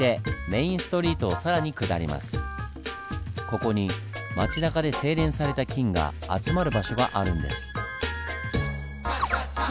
ここに町なかで製錬された金が集まる場所があるんです。